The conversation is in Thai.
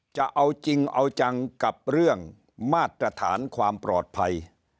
จะเอาจริงเอาจังกับเรื่องมาตรฐานความปลอดภัย